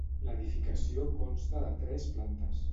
L'edificació consta de tres plantes.